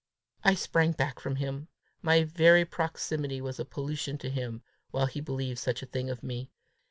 I sprang back from him. My very proximity was a pollution to him while he believed such a thing of me!